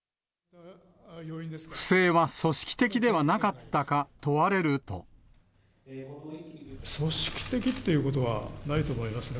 不正は組織的ではなかったか組織的っていうことはないと思いますね。